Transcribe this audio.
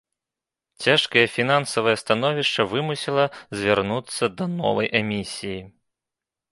Цяжкае фінансавае становішча вымусіла звярнуцца да новай эмісіі.